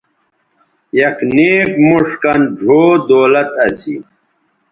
یک نیک موݜ کَن ڙھؤ دولت اسی